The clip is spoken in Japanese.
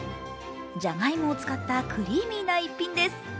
じゃがいもを使ったクリーミーな逸品です。